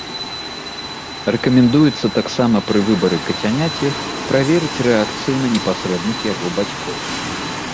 Рэкамендуецца таксама пры выбары кацяняці праверыць рэакцыю на непасрэдных яго бацькоў.